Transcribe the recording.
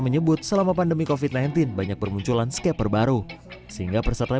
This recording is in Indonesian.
menyebut selama pandemi kofit sembilan belas banyak permunculan skeper baru sehingga persatuan